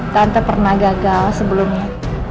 tante pernah gagal sebelumnya